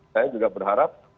saya juga berharap